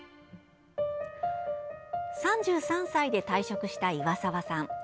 ３３歳で退職した岩沢さん。